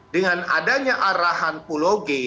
dengan adanya arahan pulau g